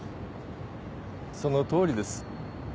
そのとおりです。